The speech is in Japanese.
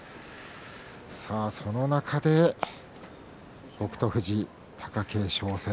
その中で北勝富士貴景勝戦。